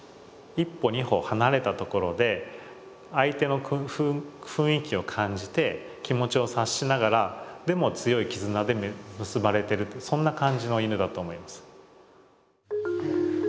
一歩二歩離れた所で相手の雰囲気を感じて気持ちを察しながらでも強い絆で結ばれてるそんな感じの犬だと思います。